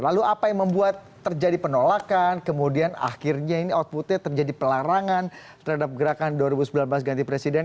lalu apa yang membuat terjadi penolakan kemudian akhirnya ini outputnya terjadi pelarangan terhadap gerakan dua ribu sembilan belas ganti presiden